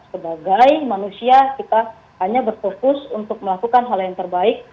sebagai manusia kita hanya berfokus untuk melakukan hal yang terbaik